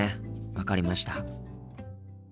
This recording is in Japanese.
分かりました。